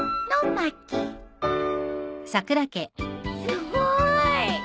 すごい！